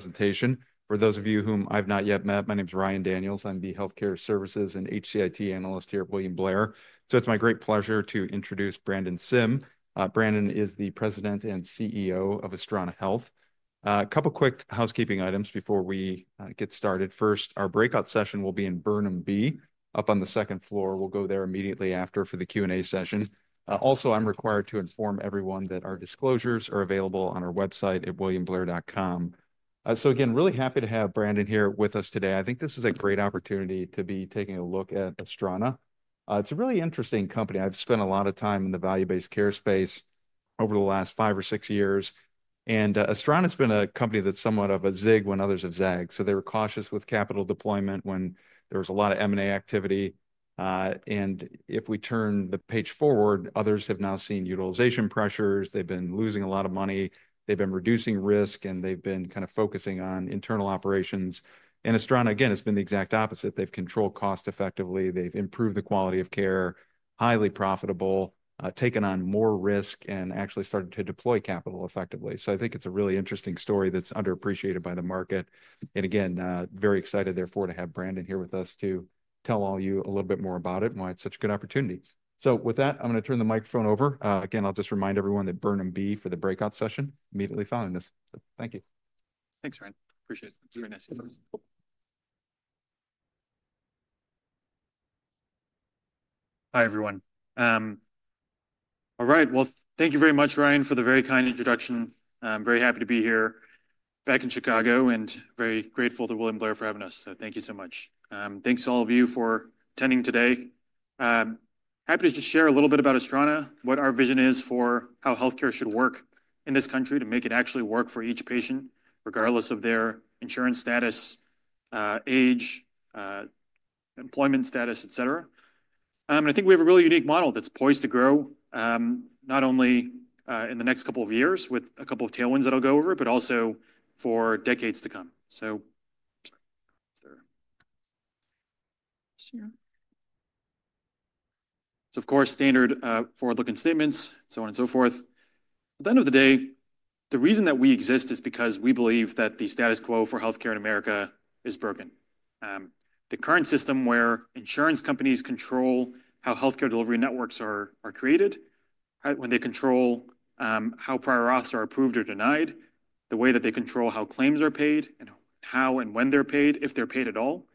Presentation. For those of you whom I've not yet met, my name is Ryan Daniels. I'm the Healthcare Services and HCIT analyst here at William Blair. It's my great pleasure to introduce Brandon Sim. Brandon is the President and CEO of Astrana Health. A couple of quick housekeeping items before we get started. First, our breakout session will be in Burnham B, up on the second floor. We'll go there immediately after for the Q&A session. Also, I'm required to inform everyone that our disclosures are available on our website at williamblair.com. Again, really happy to have Brandon here with us today. I think this is a great opportunity to be taking a look at Astrana. It's a really interesting company. I've spent a lot of time in the value-based care space over the last five or six years. Astrana has been a company that's somewhat of a zig when others have zag. They were cautious with capital deployment when there was a lot of M&A activity. If we turn the page forward, others have now seen utilization pressures. They've been losing a lot of money. They've been reducing risk, and they've been kind of focusing on internal operations. Astrana, again, has been the exact opposite. They've controlled costs effectively. They've improved the quality of care, highly profitable, taken on more risk, and actually started to deploy capital effectively. I think it's a really interesting story that's underappreciated by the market. Again, very excited, therefore, to have Brandon here with us to tell all you a little bit more about it and why it's such a good opportunity. With that, I'm going to turn the microphone over. Again, I'll just remind everyone that Burnham B for the breakout session immediately following this. Thank you. Thanks, Ryan. Appreciate it. It's very nice to be here. Hi, everyone. All right. Thank you very much, Ryan, for the very kind introduction. I'm very happy to be here back in Chicago and very grateful to William Blair for having us. Thank you so much. Thanks to all of you for attending today. Happy to just share a little bit about Astrana, what our vision is for how healthcare should work in this country to make it actually work for each patient, regardless of their insurance status, age, employment status, et cetera. I think we have a really unique model that's poised to grow not only in the next couple of years with a couple of tailwinds that I'll go over, but also for decades to come. Of course, standard forward-looking statements, so on and so forth. At the end of the day, the reason that we exist is because we believe that the status quo for healthcare in America is broken. The current system where insurance companies control how healthcare delivery networks are created, when they control how prior auths are approved or denied, the way that they control how claims are paid and how and when they're paid, if they're paid at all,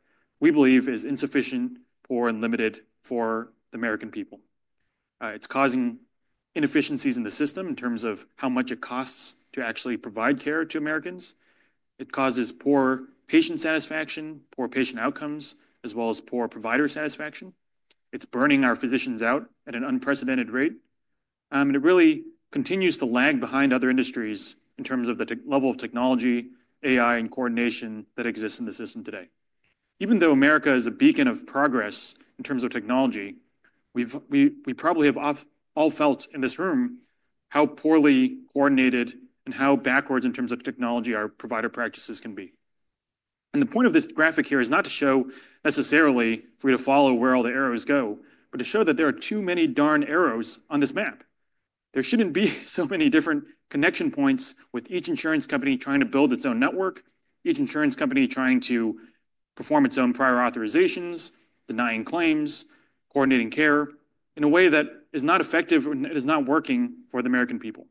we believe is insufficient, poor, and limited for the American people. It is causing inefficiencies in the system in terms of how much it costs to actually provide care to Americans. It causes poor patient satisfaction, poor patient outcomes, as well as poor provider satisfaction. It is burning our physicians out at an unprecedented rate. It really continues to lag behind other industries in terms of the level of technology, AI, and coordination that exists in the system today. Even though America is a beacon of progress in terms of technology, we probably have all felt in this room how poorly coordinated and how backwards in terms of technology our provider practices can be. The point of this graphic here is not to show necessarily for you to follow where all the arrows go, but to show that there are too many darn arrows on this map. There should not be so many different connection points with each insurance company trying to build its own network, each insurance company trying to perform its own prior authorizations, denying claims, coordinating care in a way that is not effective and is not working for the American people.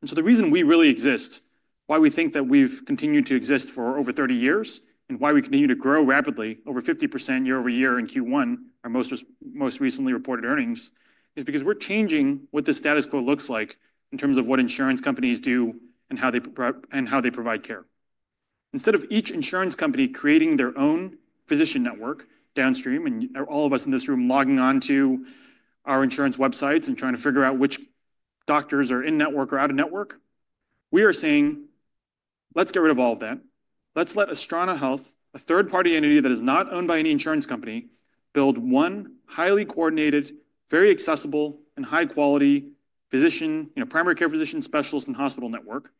The reason we really exist, why we think that we've continued to exist for over 30 years, and why we continue to grow rapidly, over 50% year over year in Q1, our most recently reported earnings, is because we're changing what the status quo looks like in terms of what insurance companies do and how they provide care. Instead of each insurance company creating their own physician network downstream and all of us in this room logging on to our insurance websites and trying to figure out which doctors are in network or out of network, we are saying, let's get rid of all of that. Let's let Astrana Health, a third-party entity that is not owned by any insurance company, build one highly coordinated, very accessible, and high-quality physician, primary care physician specialist and hospital network.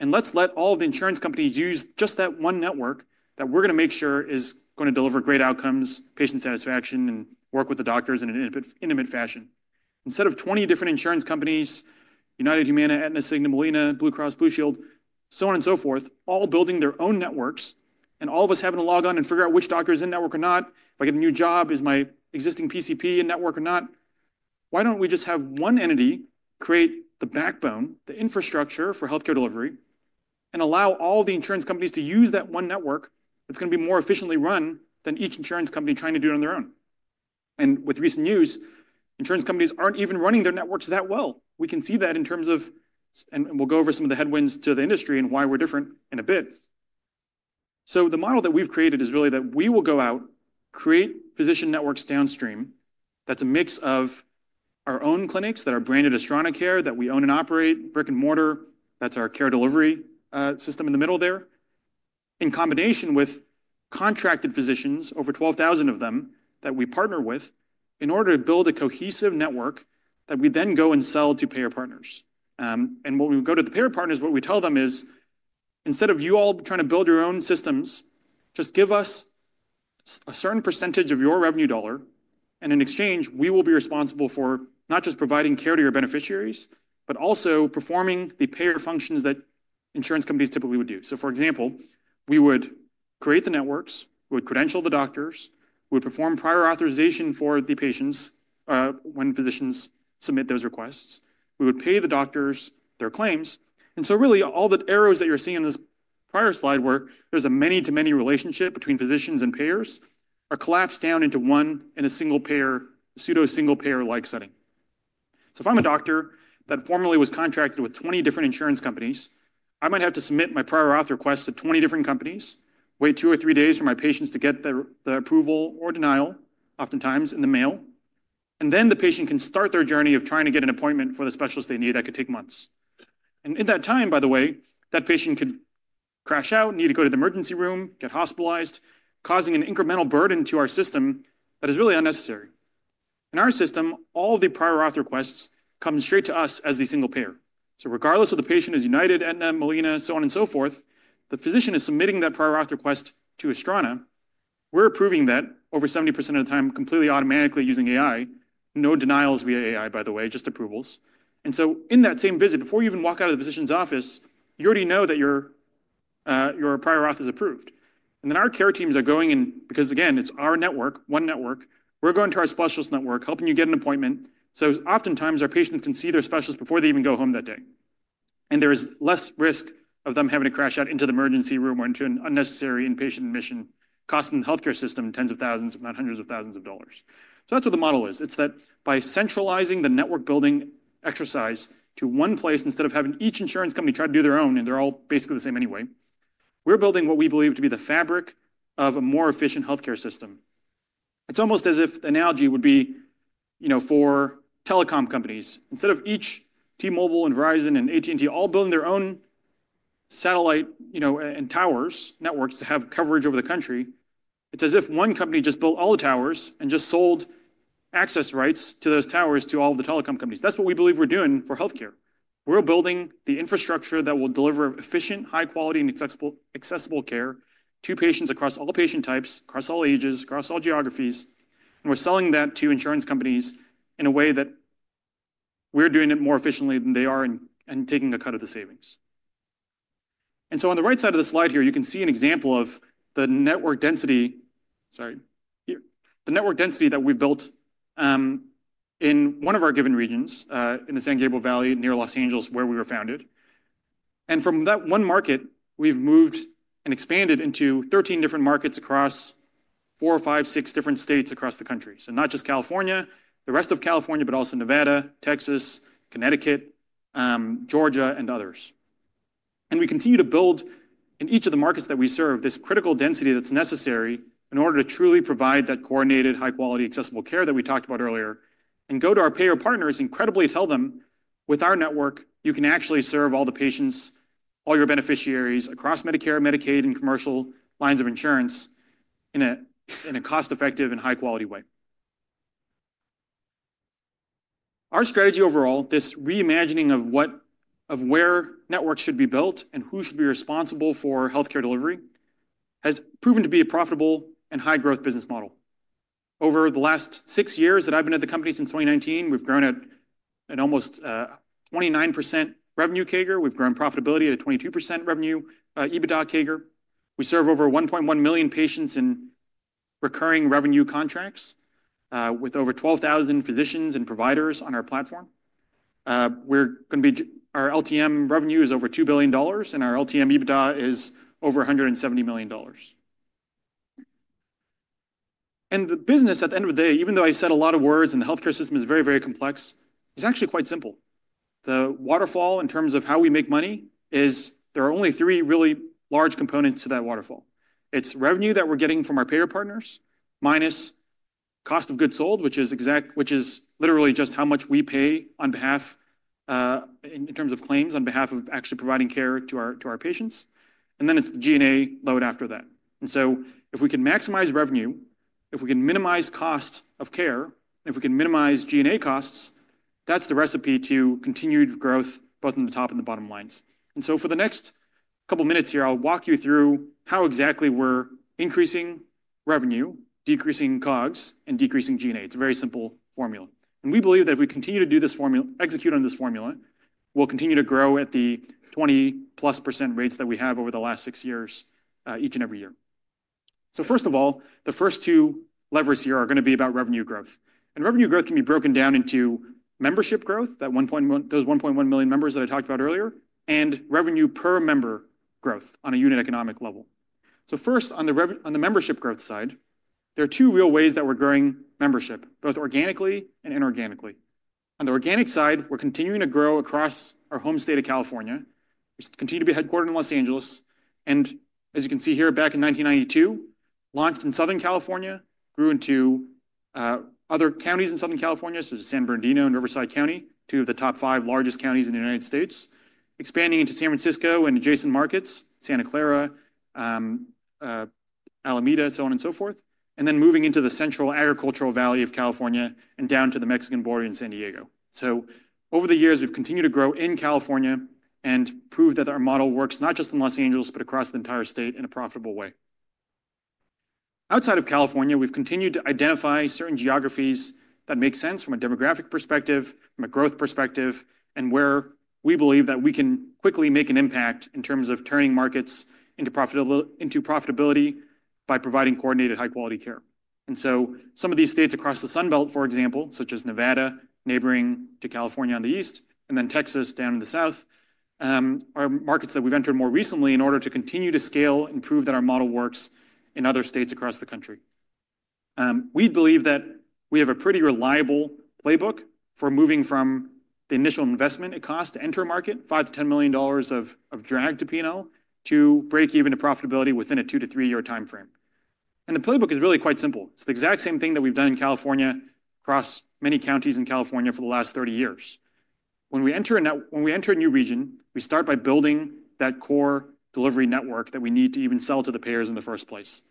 Let's let all of the insurance companies use just that one network that we're going to make sure is going to deliver great outcomes, patient satisfaction, and work with the doctors in an intimate fashion. Instead of 20 different insurance companies, UnitedHealthcare, Humana, Aetna, Cigna, Molina Healthcare, Blue Cross Blue Shield, so on and so forth, all building their own networks, and all of us having to log on and figure out which doctor is in network or not, if I get a new job, is my existing PCP in network or not, why don't we just have one entity create the backbone, the infrastructure for healthcare delivery, and allow all the insurance companies to use that one network that's going to be more efficiently run than each insurance company trying to do it on their own? With recent news, insurance companies aren't even running their networks that well. We can see that in terms of, and we'll go over some of the headwinds to the industry and why we're different in a bit. The model that we've created is really that we will go out, create physician networks downstream that's a mix of our own clinics that are branded Astrana Care, that we own and operate, brick and mortar, that's our care delivery system in the middle there, in combination with contracted physicians, over 12,000 of them that we partner with, in order to build a cohesive network that we then go and sell to payer partners. When we go to the payer partners, what we tell them is, instead of you all trying to build your own systems, just give us a certain percentage of your revenue dollar, and in exchange, we will be responsible for not just providing care to your beneficiaries, but also performing the payer functions that insurance companies typically would do. For example, we would create the networks, we would credential the doctors, we would perform prior authorization for the patients when physicians submit those requests, we would pay the doctors their claims. Really, all the arrows that you're seeing in this prior slide where there's a many-to-many relationship between physicians and payers are collapsed down into one and a single payer, pseudo-single payer-like setting. If I am a doctor that formerly was contracted with 20 different insurance companies, I might have to submit my prior auth request to 20 different companies, wait two or three days for my patients to get the approval or denial, oftentimes in the mail, and then the patient can start their journey of trying to get an appointment for the specialist they need that could take months. In that time, by the way, that patient could crash out, need to go to the emergency room, get hospitalized, causing an incremental burden to our system that is really unnecessary. In our system, all of the prior auth requests come straight to us as the single payer. Regardless of whether the patient is UnitedHealthcare, Aetna, Molina Healthcare, so on and so forth, the physician is submitting that prior auth request to Astrana. We're approving that over 70% of the time completely automatically using AI, no denials via AI, by the way, just approvals. In that same visit, before you even walk out of the physician's office, you already know that your prior auth is approved. Our care teams are going in, because again, it's our network, one network, we're going to our specialist network, helping you get an appointment. Oftentimes our patients can see their specialist before they even go home that day. There is less risk of them having to crash out into the emergency room or into an unnecessary inpatient admission, costing the healthcare system tens of thousands, if not hundreds of thousands of dollars. That's what the model is. It's that by centralizing the network building exercise to one place, instead of having each insurance company try to do their own, and they're all basically the same anyway, we're building what we believe to be the fabric of a more efficient healthcare system. It's almost as if the analogy would be for telecom companies. Instead of each T-Mobile and Verizon and AT&T all building their own satellite and towers networks to have coverage over the country, it's as if one company just built all the towers and just sold access rights to those towers to all of the telecom companies. That's what we believe we're doing for healthcare. We're building the infrastructure that will deliver efficient, high-quality, and accessible care to patients across all patient types, across all ages, across all geographies. We're selling that to insurance companies in a way that we're doing it more efficiently than they are and taking a cut of the savings. On the right side of the slide here, you can see an example of the network density, sorry, the network density that we've built in one of our given regions in the San Gabriel Valley near Los Angeles, where we were founded. From that one market, we've moved and expanded into 13 different markets across four, five, six different states across the country. Not just California, the rest of California, but also Nevada, Texas, Connecticut, Georgia, and others. We continue to build in each of the markets that we serve this critical density that is necessary in order to truly provide that coordinated, high-quality, accessible care that we talked about earlier and go to our payer partners and incredibly tell them with our network, you can actually serve all the patients, all your beneficiaries across Medicare, Medicaid, and commercial lines of insurance in a cost-effective and high-quality way. Our strategy overall, this reimagining of where networks should be built and who should be responsible for healthcare delivery, has proven to be a profitable and high-growth business model. Over the last six years that I have been at the company since 2019, we have grown at an almost 29% revenue CAGR. We have grown profitability at a 22% EBITDA CAGR. We serve over 1.1 million patients in recurring revenue contracts with over 12,000 physicians and providers on our platform. Our LTM revenue is over $2 billion, and our LTM EBITDA is over $170 million. The business at the end of the day, even though I said a lot of words and the healthcare system is very, very complex, is actually quite simple. The waterfall in terms of how we make money is there are only three really large components to that waterfall. It is revenue that we are getting from our payer partners minus cost of goods sold, which is literally just how much we pay in terms of claims on behalf of actually providing care to our patients. Then it is the G&A load after that. If we can maximize revenue, if we can minimize cost of care, and if we can minimize G&A costs, that is the recipe to continued growth both in the top and the bottom lines. For the next couple of minutes here, I'll walk you through how exactly we're increasing revenue, decreasing COGS, and decreasing G&A. It's a very simple formula. We believe that if we continue to do this formula, execute on this formula, we'll continue to grow at the 20% plus rates that we have over the last six years each and every year. First of all, the first two levers here are going to be about revenue growth. Revenue growth can be broken down into membership growth, that those 1.1 million members that I talked about earlier, and revenue per member growth on a unit economic level. First, on the membership growth side, there are two real ways that we're growing membership, both organically and inorganically. On the organic side, we're continuing to grow across our home state of California. We continue to be headquartered in Los Angeles. As you can see here, back in 1992, launched in Southern California, grew into other counties in Southern California, such as San Bernardino and Riverside County, two of the top five largest counties in the United States, expanding into San Francisco and adjacent markets, Santa Clara, Alameda, so on and so forth, and then moving into the central agricultural valley of California and down to the Mexican border in San Diego. Over the years, we've continued to grow in California and prove that our model works not just in Los Angeles, but across the entire state in a profitable way. Outside of California, we've continued to identify certain geographies that make sense from a demographic perspective, from a growth perspective, and where we believe that we can quickly make an impact in terms of turning markets into profitability by providing coordinated, high-quality care. Some of these states across the Sun Belt, for example, such as Nevada, neighboring to California on the east, and then Texas down in the south, are markets that we've entered more recently in order to continue to scale and prove that our model works in other states across the country. We believe that we have a pretty reliable playbook for moving from the initial investment it costs to enter a market, $5 million-$10 million of drag to P&L, to break even to profitability within a two to three-year timeframe. The playbook is really quite simple. It's the exact same thing that we've done in California across many counties in California for the last 30 years. When we enter a new region, we start by building that core delivery network that we need to even sell to the payers in the first place.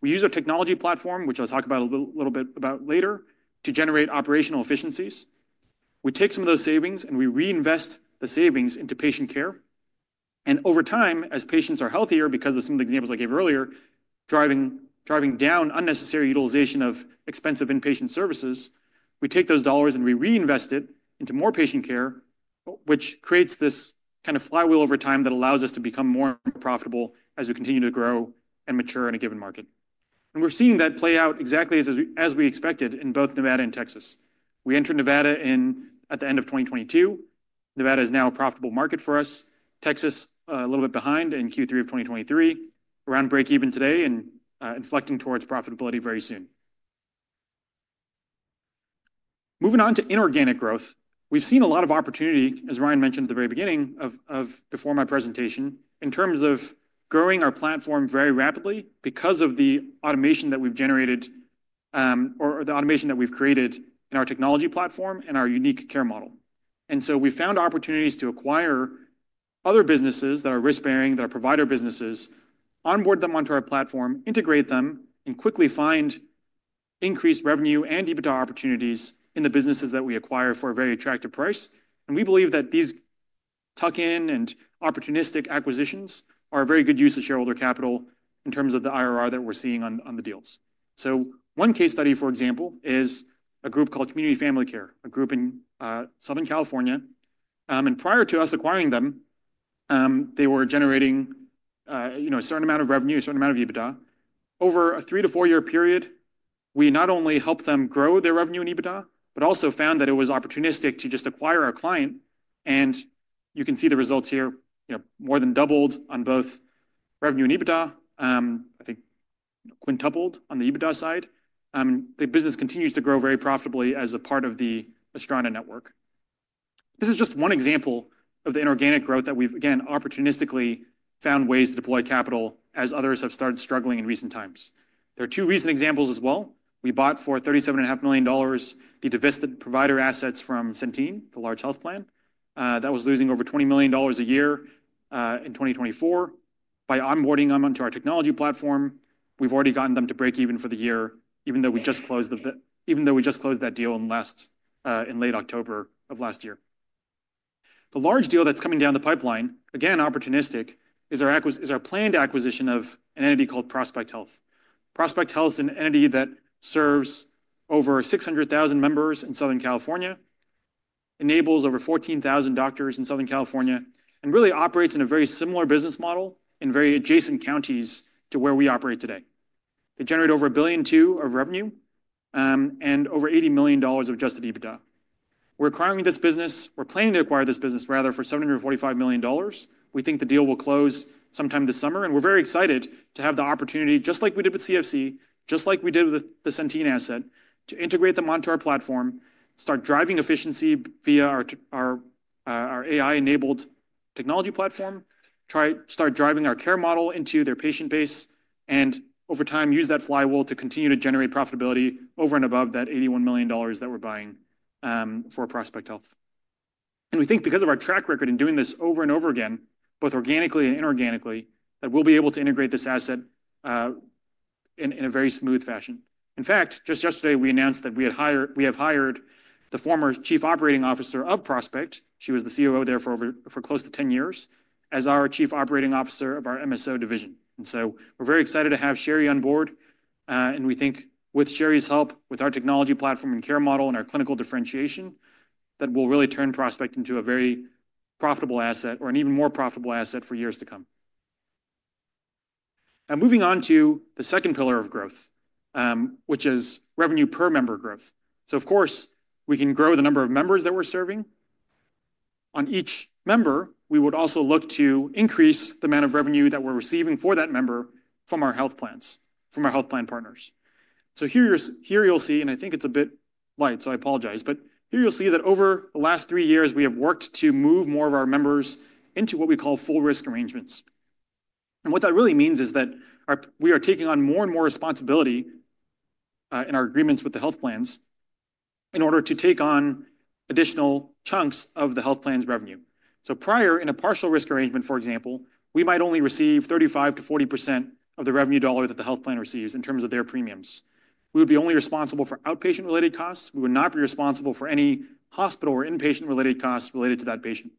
We use our technology platform, which I'll talk about a little bit later, to generate operational efficiencies. We take some of those savings and we reinvest the savings into patient care. Over time, as patients are healthier, because of some of the examples I gave earlier, driving down unnecessary utilization of expensive inpatient services, we take those dollars and we reinvest it into more patient care, which creates this kind of flywheel over time that allows us to become more profitable as we continue to grow and mature in a given market. We're seeing that play out exactly as we expected in both Nevada and Texas. We entered Nevada at the end of 2022. Nevada is now a profitable market for us. Texas, a little bit behind in Q3 of 2023, around break even today and inflecting towards profitability very soon. Moving on to inorganic growth, we've seen a lot of opportunity, as Ryan mentioned at the very beginning before my presentation, in terms of growing our platform very rapidly because of the automation that we've generated or the automation that we've created in our technology platform and our unique care model. We found opportunities to acquire other businesses that are risk-bearing, that are provider businesses, onboard them onto our platform, integrate them, and quickly find increased revenue and EBITDA opportunities in the businesses that we acquire for a very attractive price. We believe that these tuck-in and opportunistic acquisitions are a very good use of shareholder capital in terms of the IRR that we are seeing on the deals. One case study, for example, is a group called Community Family Care, a group in Southern California. Prior to us acquiring them, they were generating a certain amount of revenue, a certain amount of EBITDA. Over a three to four-year period, we not only helped them grow their revenue and EBITDA, but also found that it was opportunistic to just acquire our client. You can see the results here, more than doubled on both revenue and EBITDA. I think quintupled on the EBITDA side. The business continues to grow very profitably as a part of the Astrana network. This is just one example of the inorganic growth that we've, again, opportunistically found ways to deploy capital as others have started struggling in recent times. There are two recent examples as well. We bought for $37.5 million the divested provider assets from Centene, the large health plan that was losing over $20 million a year in 2024. By onboarding them onto our technology platform, we've already gotten them to break even for the year, even though we just closed that deal in late October of last year. The large deal that's coming down the pipeline, again, opportunistic, is our planned acquisition of an entity called Prospect Health. Prospect Health is an entity that serves over 600,000 members in Southern California, enables over 14,000 doctors in Southern California, and really operates in a very similar business model in very adjacent counties to where we operate today. They generate over a billion, too, of revenue and over $80 million of just EBITDA. We're acquiring this business. We're planning to acquire this business, rather, for $745 million. We think the deal will close sometime this summer. We are very excited to have the opportunity, just like we did with CFC, just like we did with the Centene asset, to integrate them onto our platform, start driving efficiency via our AI-enabled technology platform, start driving our care model into their patient base, and over time, use that flywheel to continue to generate profitability over and above that $81 million that we're buying for Prospect Health. We think because of our track record in doing this over and over again, both organically and inorganically, that we'll be able to integrate this asset in a very smooth fashion. In fact, just yesterday, we announced that we have hired the former Chief Operating Officer of Prospect. She was the COO there for close to 10 years as our Chief Operating Officer of our MSO division. We are very excited to have Sherry on board. We think with Sherry's help, with our technology platform and care model and our clinical differentiation, that we will really turn Prospect into a very profitable asset or an even more profitable asset for years to come. Now, moving on to the second pillar of growth, which is revenue per member growth. Of course, we can grow the number of members that we are serving. On each member, we would also look to increase the amount of revenue that we are receiving for that member from our health plans, from our health plan partners. Here you'll see, and I think it's a bit light, so I apologize, but here you'll see that over the last three years, we have worked to move more of our members into what we call full risk arrangements. What that really means is that we are taking on more and more responsibility in our agreements with the health plans in order to take on additional chunks of the health plan's revenue. Prior, in a partial risk arrangement, for example, we might only receive 35-40% of the revenue dollar that the health plan receives in terms of their premiums. We would be only responsible for outpatient-related costs. We would not be responsible for any hospital or inpatient-related costs related to that patient.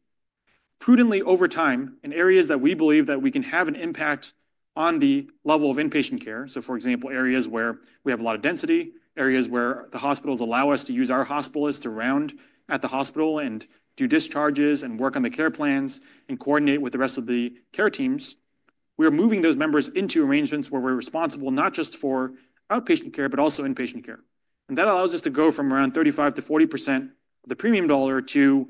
Prudently, over time, in areas that we believe that we can have an impact on the level of inpatient care, for example, areas where we have a lot of density, areas where the hospitals allow us to use our hospitalists around at the hospital and do discharges and work on the care plans and coordinate with the rest of the care teams, we are moving those members into arrangements where we are responsible not just for outpatient care, but also inpatient care. That allows us to go from around 35-40% of the premium dollar to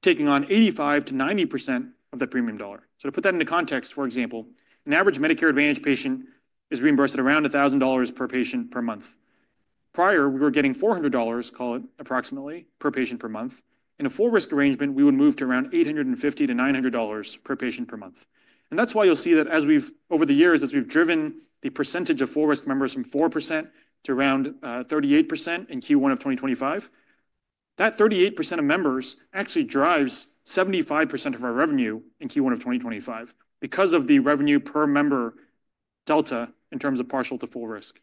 taking on 85-90% of the premium dollar. To put that into context, for example, an average Medicare Advantage patient is reimbursed at around $1,000 per patient per month. Prior, we were getting $400, call it approximately, per patient per month. In a full risk arrangement, we would move to around $850-$900 per patient per month. That is why you'll see that over the years, as we've driven the percentage of full risk members from 4% to around 38% in Q1 of 2025, that 38% of members actually drives 75% of our revenue in Q1 of 2025 because of the revenue per member delta in terms of partial to full risk.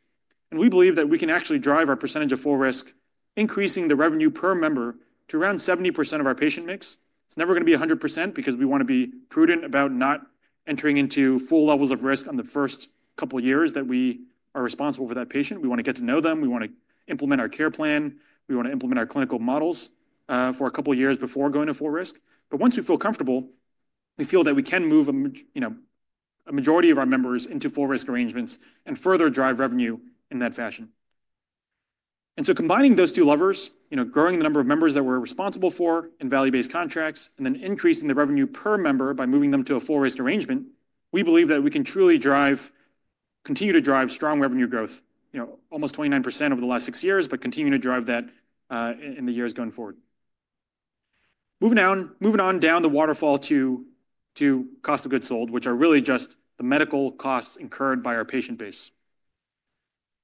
We believe that we can actually drive our percentage of full risk, increasing the revenue per member to around 70% of our patient mix. It's never going to be 100% because we want to be prudent about not entering into full levels of risk on the first couple of years that we are responsible for that patient. We want to get to know them. We want to implement our care plan. We want to implement our clinical models for a couple of years before going to full risk. Once we feel comfortable, we feel that we can move a majority of our members into full risk arrangements and further drive revenue in that fashion. Combining those two levers, growing the number of members that we're responsible for in value-based contracts, and then increasing the revenue per member by moving them to a full risk arrangement, we believe that we can truly continue to drive strong revenue growth, almost 29% over the last six years, and continue to drive that in the years going forward. Moving on down the waterfall to cost of goods sold, which are really just the medical costs incurred by our patient base.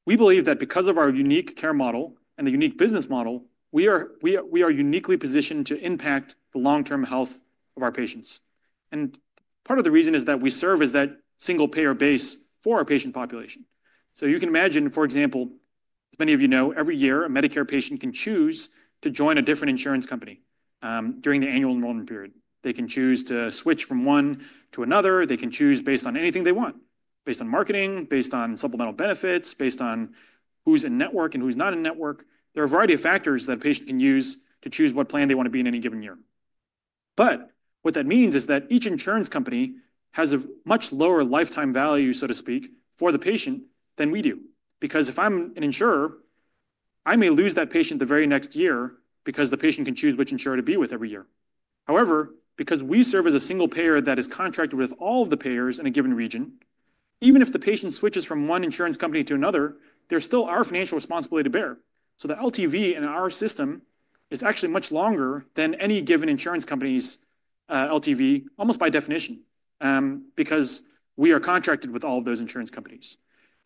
We believe that because of our unique care model and the unique business model, we are uniquely positioned to impact the long-term health of our patients. Part of the reason is that we serve as that single payer base for our patient population. You can imagine, for example, as many of you know, every year, a Medicare patient can choose to join a different insurance company during the annual enrollment period. They can choose to switch from one to another. They can choose based on anything they want, based on marketing, based on supplemental benefits, based on who's in network and who's not in network. There are a variety of factors that a patient can use to choose what plan they want to be in any given year. What that means is that each insurance company has a much lower lifetime value, so to speak, for the patient than we do. Because if I'm an insurer, I may lose that patient the very next year because the patient can choose which insurer to be with every year. However, because we serve as a single payer that is contracted with all of the payers in a given region, even if the patient switches from one insurance company to another, there still is our financial responsibility to bear. The LTV in our system is actually much longer than any given insurance company's LTV, almost by definition, because we are contracted with all of those insurance companies.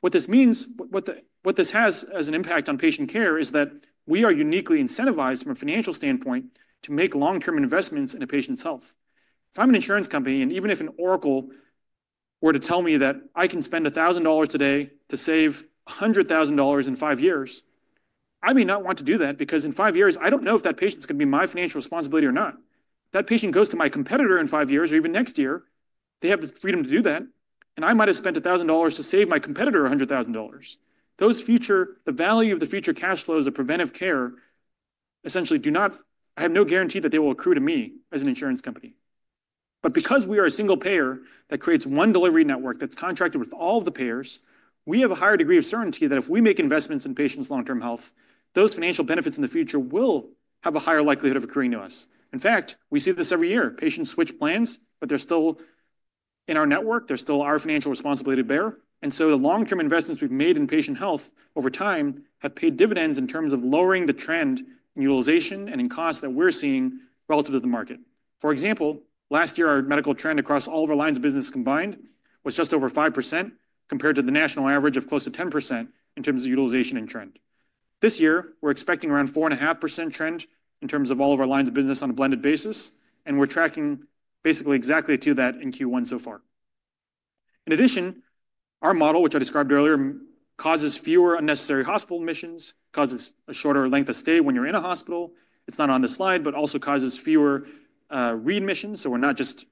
What this means, what this has as an impact on patient care is that we are uniquely incentivized from a financial standpoint to make long-term investments in a patient's health. If I'm an insurance company, and even if an Oracle were to tell me that I can spend $1,000 today to save $100,000 in five years, I may not want to do that because in five years, I don't know if that patient's going to be my financial responsibility or not. If that patient goes to my competitor in five years or even next year, they have the freedom to do that, and I might have spent $1,000 to save my competitor $100,000. The value of the future cash flows of preventive care essentially do not, I have no guarantee that they will accrue to me as an insurance company. Because we are a single payer that creates one delivery network that is contracted with all of the payers, we have a higher degree of certainty that if we make investments in patients' long-term health, those financial benefits in the future will have a higher likelihood of accruing to us. In fact, we see this every year. Patients switch plans, but they are still in our network. They are still our financial responsibility to bear. The long-term investments we have made in patient health over time have paid dividends in terms of lowering the trend in utilization and in costs that we are seeing relative to the market. For example, last year, our medical trend across all of our lines of business combined was just over 5% compared to the national average of close to 10% in terms of utilization and trend. This year, we're expecting around 4.5% trend in terms of all of our lines of business on a blended basis, and we're tracking basically exactly to that in Q1 so far. In addition, our model, which I described earlier, causes fewer unnecessary hospital admissions, causes a shorter length of stay when you're in a hospital. It's not on the slide, but also causes fewer readmissions. We're not just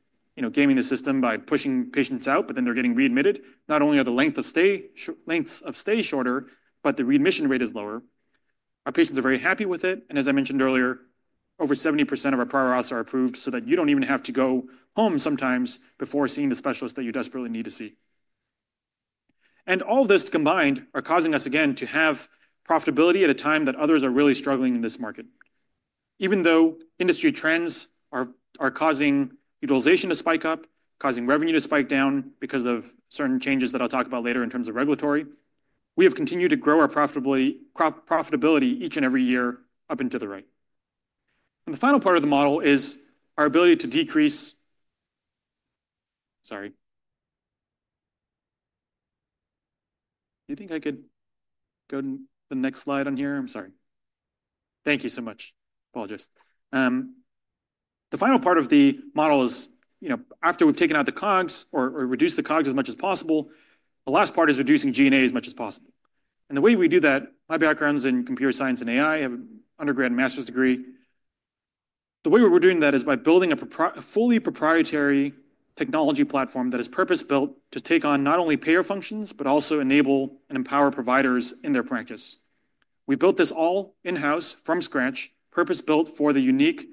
gaming the system by pushing patients out, but then they're getting readmitted. Not only are the lengths of stay shorter, but the readmission rate is lower. Our patients are very happy with it. As I mentioned earlier, over 70% of our prior auths are approved so that you don't even have to go home sometimes before seeing the specialist that you desperately need to see. All of this combined are causing us, again, to have profitability at a time that others are really struggling in this market. Even though industry trends are causing utilization to spike up, causing revenue to spike down because of certain changes that I'll talk about later in terms of regulatory, we have continued to grow our profitability each and every year up and to the right. The final part of the model is our ability to decrease. Sorry. Do you think I could go to the next slide on here? I'm sorry. Thank you so much. Apologies. The final part of the model is, after we've taken out the COGS or reduced the COGS as much as possible, the last part is reducing G&A as much as possible. The way we do that, my background's in computer science and AI, have an undergrad and master's degree. The way we're doing that is by building a fully proprietary technology platform that is purpose-built to take on not only payer functions, but also enable and empower providers in their practice. We built this all in-house from scratch, purpose-built for the unique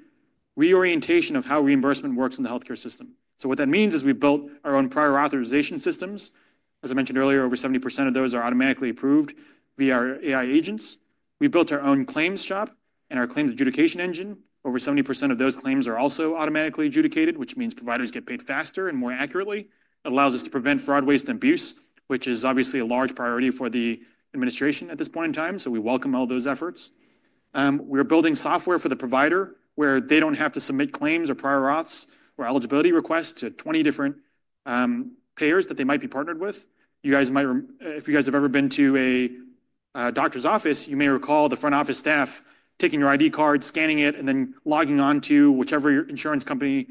reorientation of how reimbursement works in the healthcare system. What that means is we've built our own prior authorization systems. As I mentioned earlier, over 70% of those are automatically approved via our AI agents. We built our own claims shop and our claims adjudication engine. Over 70% of those claims are also automatically adjudicated, which means providers get paid faster and more accurately. It allows us to prevent fraud, waste, and abuse, which is obviously a large priority for the administration at this point in time. We welcome all those efforts. We are building software for the provider where they do not have to submit claims or prior auths or eligibility requests to 20 different payers that they might be partnered with. If you guys have ever been to a doctor's office, you may recall the front office staff taking your ID card, scanning it, and then logging on to whichever insurance company's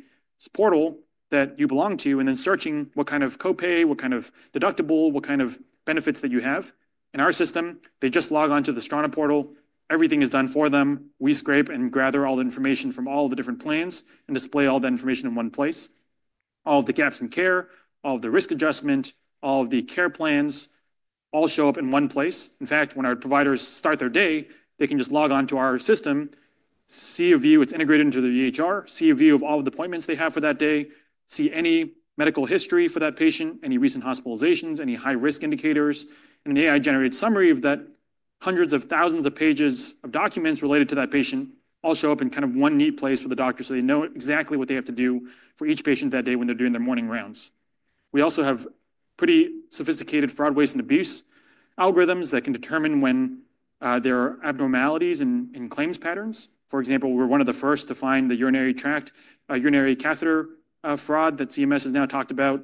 portal that you belong to, and then searching what kind of copay, what kind of deductible, what kind of benefits that you have. In our system, they just log on to the Astrana portal. Everything is done for them. We scrape and gather all the information from all the different plans and display all the information in one place. All of the gaps in care, all of the risk adjustment, all of the care plans all show up in one place. In fact, when our providers start their day, they can just log on to our system, see a view, it's integrated into the EHR, see a view of all of the appointments they have for that day, see any medical history for that patient, any recent hospitalizations, any high-risk indicators, and an AI-generated summary of that hundreds of thousands of pages of documents related to that patient all show up in kind of one neat place for the doctor so they know exactly what they have to do for each patient that day when they're doing their morning rounds. We also have pretty sophisticated fraud, waste, and abuse algorithms that can determine when there are abnormalities in claims patterns. For example, we were one of the first to find the urinary catheter fraud that CMS has now talked about.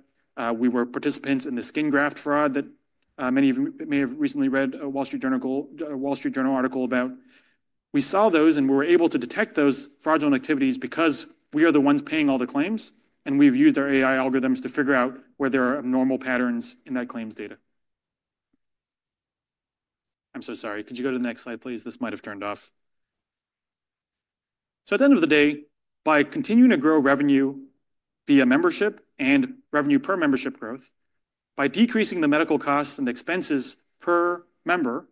We were participants in the skin graft fraud that many of you may have recently read a Wall Street Journal article about. We saw those, and we were able to detect those fraudulent activities because we are the ones paying all the claims, and we've used our AI algorithms to figure out where there are abnormal patterns in that claims data. I'm so sorry. Could you go to the next slide, please? This might have turned off. At the end of the day, by continuing to grow revenue via membership and revenue per membership growth, by decreasing the medical costs and expenses per member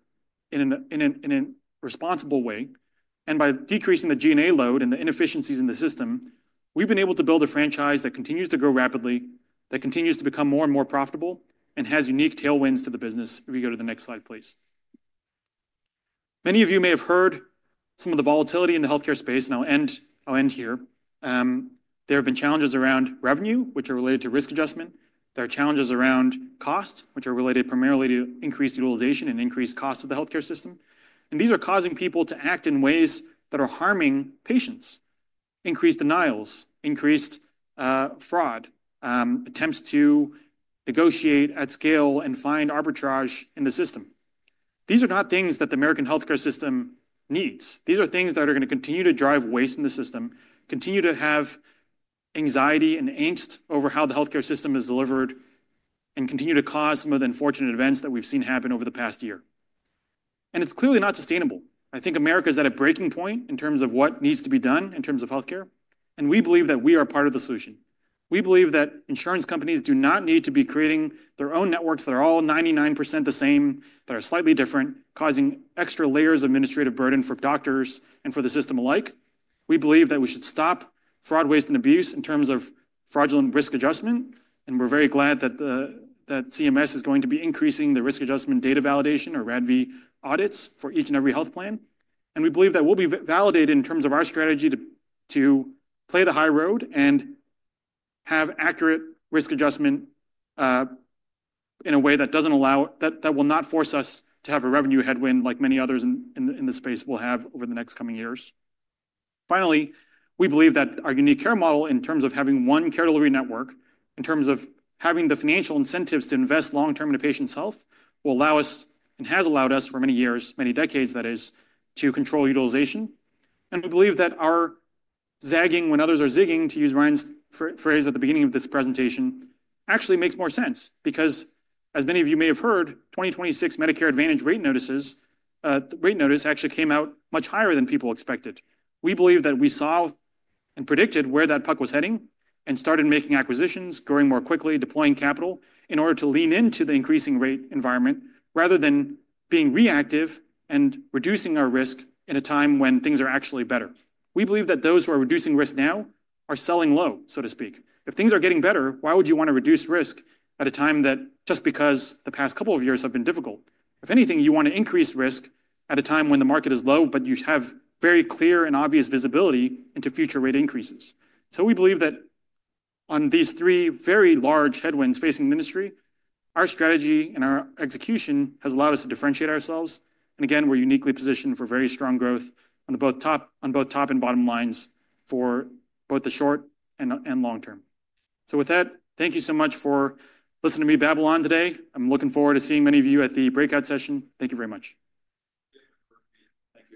in a responsible way, and by decreasing the G&A load and the inefficiencies in the system, we've been able to build a franchise that continues to grow rapidly, that continues to become more and more profitable, and has unique tailwinds to the business. If you go to the next slide, please. Many of you may have heard some of the volatility in the healthcare space, and I'll end here. There have been challenges around revenue, which are related to risk adjustment. There are challenges around cost, which are related primarily to increased utilization and increased cost of the healthcare system. These are causing people to act in ways that are harming patients, increased denials, increased fraud, attempts to negotiate at scale, and find arbitrage in the system. These are not things that the American healthcare system needs. These are things that are going to continue to drive waste in the system, continue to have anxiety and angst over how the healthcare system is delivered, and continue to cause some of the unfortunate events that we've seen happen over the past year. It is clearly not sustainable. I think America is at a breaking point in terms of what needs to be done in terms of healthcare. We believe that we are part of the solution. We believe that insurance companies do not need to be creating their own networks that are all 99% the same, that are slightly different, causing extra layers of administrative burden for doctors and for the system alike. We believe that we should stop fraud, waste, and abuse in terms of fraudulent risk adjustment. We are very glad that CMS is going to be increasing the risk adjustment data validation, or RADV, audits for each and every health plan. We believe that we'll be validated in terms of our strategy to play the high road and have accurate risk adjustment in a way that does not allow, that will not force us to have a revenue headwind like many others in the space will have over the next coming years. Finally, we believe that our unique care model in terms of having one care delivery network, in terms of having the financial incentives to invest long-term in a patient's health, will allow us and has allowed us for many years, many decades, that is, to control utilization. We believe that our zagging when others are zigging, to use Ryan's phrase at the beginning of this presentation, actually makes more sense because, as many of you may have heard, 2026 Medicare Advantage rate notice actually came out much higher than people expected. We believe that we saw and predicted where that puck was heading and started making acquisitions, growing more quickly, deploying capital in order to lean into the increasing rate environment rather than being reactive and reducing our risk at a time when things are actually better. We believe that those who are reducing risk now are selling low, so to speak. If things are getting better, why would you want to reduce risk at a time that just because the past couple of years have been difficult? If anything, you want to increase risk at a time when the market is low, but you have very clear and obvious visibility into future rate increases. We believe that on these three very large headwinds facing the industry, our strategy and our execution has allowed us to differentiate ourselves. We're uniquely positioned for very strong growth on both top and bottom lines for both the short and long term. With that, thank you so much for listening to me babble on today. I'm looking forward to seeing many of you at the breakout session. Thank you very much.